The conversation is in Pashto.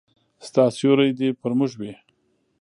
ستا سیوری دي پر موږ وي